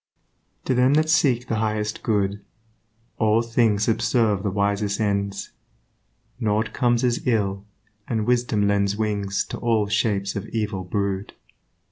To them that seek the highest good All things subserve the wisest ends; Nought comes as ill, and wisdom lends Wings to all shapes of evil brood.